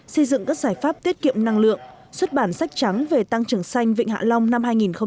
xây dựng các giải pháp tiết kiệm năng lượng xuất bản sách trắng về tăng trưởng xanh vịnh hạ long năm hai nghìn một mươi bảy hai nghìn một mươi tám